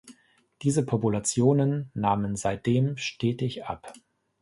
Diese Populationen nahmen seitdem stetig ab.